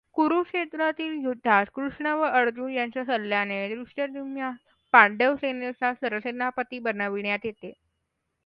कुरुक्षेत्रातील युद्धात, कृष्ण व अर्जुन यांच्या सल्ल्याने, धृष्टद्युम्नास पांडवसेनेचा सरसेनापती बनविण्यात येते.